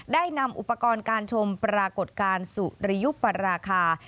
ได้นำอุปกรณ์การชมปรากฏการณ์สุริยุปราคา